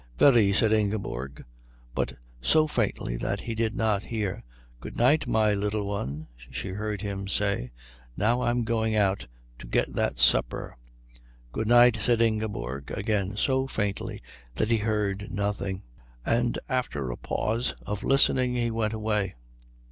"Very," said Ingeborg; but so faintly that he did not hear. "Good night, my Little One," she heard him say. "Now I'm going out to get that supper." "Good night," said Ingeborg, again so faintly that he heard nothing; and after a pause of listening he went away.